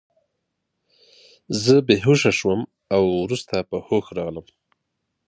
زه بې هوښه شوم او وروسته په هوښ راغلم